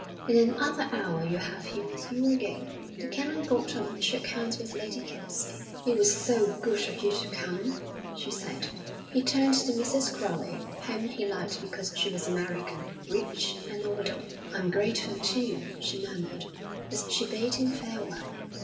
In another hour you'll have him with you again.' The Canon got up and shook hands with Lady Kelsey. 'It was so good of you to come,' she said. He turned to Mrs. Crowley, whom he liked because she was American, rich, and a widow. 'I'm grateful, too,' she murmured, as she bade him farewell.